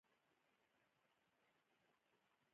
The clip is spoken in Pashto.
تخنیکي او مسلکي زده کړې د هیواد د اقتصاد لپاره ګټورې دي.